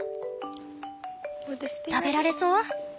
食べられそう？